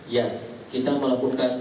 ya kita melakukan pemeriksaan